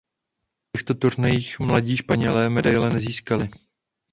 Na těchto turnajích mladí Španělé medaile nezískali.